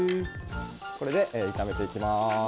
これで炒めていきます。